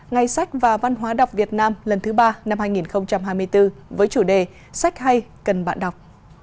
ngày sách và văn hóa đọc việt nam lần thứ ba năm hai nghìn hai mươi bốn với chủ đề sách hay cần bạn đọc